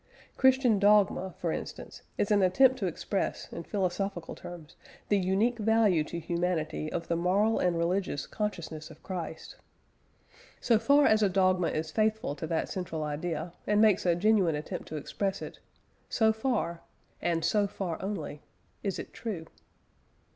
Christian dogma, for instance, is an attempt to express, in philosophical terms, the unique value to humanity of the moral and religious consciousness of Christ. So far as a dogma is faithful to that central idea, and makes a genuine attempt to express it, so far and so far only is it true.